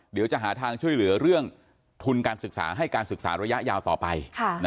เดี๋ยวจะหาทางช่วยเหลือเรื่องทุนการศึกษาให้การศึกษาระยะยาวต่อไป